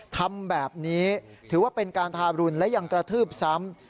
ทำแบบนี้ถือว่าเป็นการทารุณและยังกระทืบซ้ำ